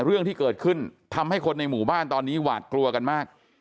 เรื่องที่เกิดขึ้นทำให้คนในหมู่บ้านตอนนี้หวาดกลัวกันมาก